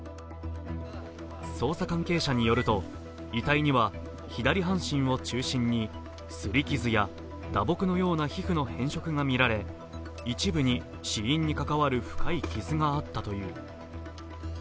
捜査関係者によると、遺体には左半身を中心にすり傷や打撲のような皮膚の変色が見られ一部に死因にかかわる深い傷があったという。